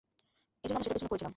এজন্য আমরা সেটার পিছনে পড়েছিলাম।